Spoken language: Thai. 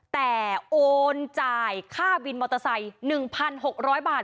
แต่โอนจ่ายค่าวินมอเตอร์ไซค์๑๖๐๐บาท